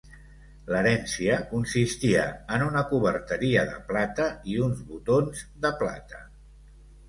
L'herència consistia en una coberteria de plata i uns botons de plata.